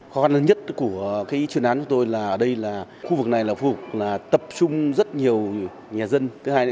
khó khăn lớn nhất của chuyên án của tôi là khu vực này phù hợp tập trung rất nhiều nhà dân